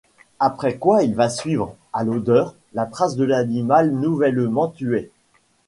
Après quoi il va suivre, à l'odeur, la trace de l'animal nouvellement tué.